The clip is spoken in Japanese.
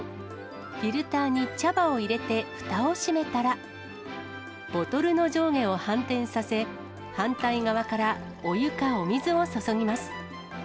フィルターに茶葉を入れてふたを閉めたら、ボトルの上下を反転させ、反対側からお湯かお水を注ぎます。